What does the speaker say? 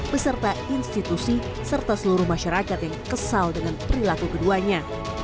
beserta institusi serta seluruh masyarakat yang kesal dengan perilaku keduanya